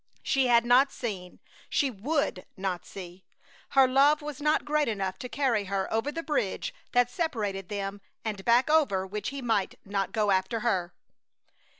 She had not seen, she would not see! Her love was not great enough to carry her over the bridge that separated them, and back over which he might not go after her!